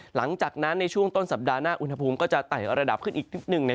หลังจากนั้นในช่วงต้นสัปดาห์หน้าอุณหภูมิก็จะไต่ระดับขึ้นอีกนิดหนึ่ง